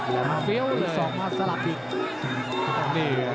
ฟิลเกี่ยวเลย